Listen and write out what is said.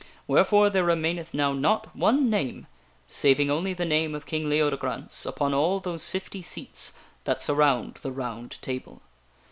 Wherefore there remain eth now not one name, saving only the name of King Leodegrance, upon all those fifty seats that surround the ROUND TABLE.